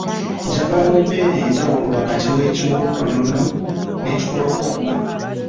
Njagala ompe enjawulo wakati w’ekiwottonono n’ekikolokomba